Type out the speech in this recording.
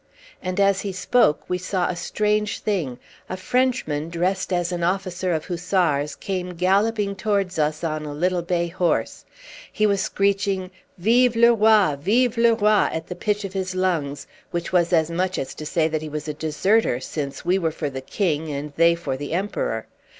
And as he spoke we saw a strange thing. A Frenchman, dressed as an officer of hussars, came galloping towards us on a little bay horse. He was screeching "Vive le roi! Vive le roi!" at the pitch of his lungs, which was as much as to say that he was a deserter, since we were for the king and they for the emperor.